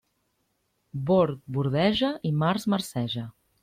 Bord bordeja i març marceja.